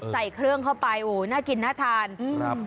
ใส่เครื่องเข้าไปโอ้น่ากินน่าทานครับ